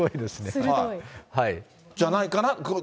じゃないかなと。